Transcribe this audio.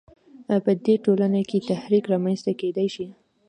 په دې ټولنو کې تحرک رامنځته کېدای شوای.